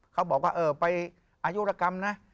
เขาบอกว่าเออไปอายุรกรรมนะ